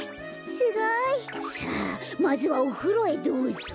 すごい。さあまずはおふろへどうぞ。